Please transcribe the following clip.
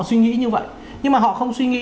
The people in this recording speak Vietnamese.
suy nghĩ như vậy nhưng mà họ không suy nghĩ